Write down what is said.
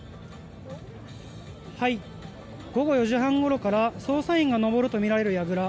午後４時半ごろから捜査員が上るとみられるやぐら